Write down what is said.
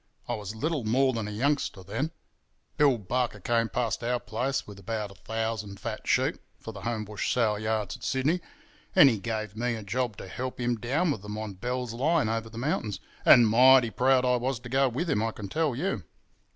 I was little more than a youngster then—Bill Barker came past our place with about a thousand fat sheep for the Homebush sale yards at Sydney, and he gave me a job to help him down with them on Bell's Line over the mountains, and mighty proud I was to go with him, I can tell you.